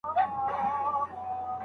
منطقي اړیکه د جملو په مانا کي پټه ده.